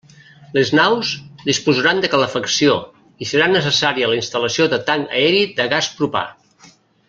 Les naus disposaran de calefacció i serà necessària la instal·lació de tanc aeri de gas propà.